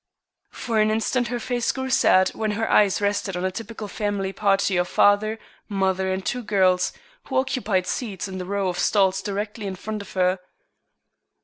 For an instant her face grew sad when her eyes rested on a typical family party of father, mother, and two girls who occupied seats in the row of stalls directly in front of her.